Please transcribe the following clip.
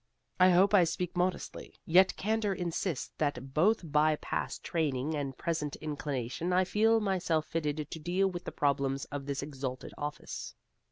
I hope I speak modestly: yet candor insists that both by past training and present inclination I feel myself fitted to deal with the problems of this exalted office.